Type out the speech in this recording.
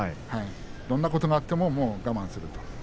どんなことがあっても我慢する。